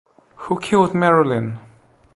Who Killed Marilyn?